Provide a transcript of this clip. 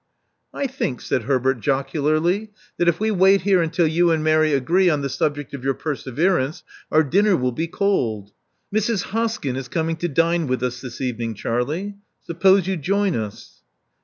I think," said Herbert jocularly, that if we wait here until you and Mary agree on the subject of your perseverance, our dinner will be cold. Mrs. Hoskyu is coming to dine with us this evening, Charlie. Sup pose you join us.